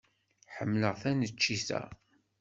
Ḥemmleɣ taneččit-a.